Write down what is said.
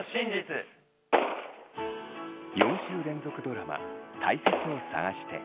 ４週連続ドラマ「たいせつを探して」。